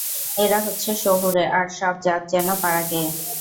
এরা হচ্ছে শহুরে, আর সব জাত যেন পাড়াগেঁয়ে।